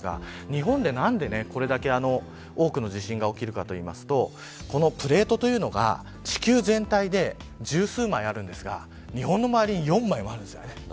日本で、なぜこれだけ多くの地震が起きるかというとこのプレートは地球全体で十数枚ありますが日本の周りに４枚もあります。